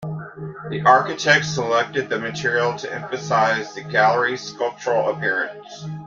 The architects selected the material to emphasise the gallery's sculptural appearance.